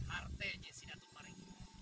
artinya si datuk mariko